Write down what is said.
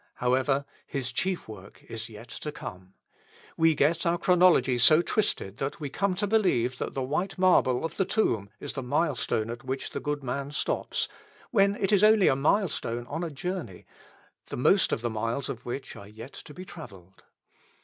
However, his chief work is yet to come. We get our chronology so twisted that we come to believe that the white marble of the tomb is the milestone at which the good man stops, when it is only a milestone on a journey, the most of the miles of which are yet to be travelled.